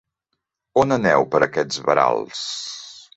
On aneu, per aquests verals?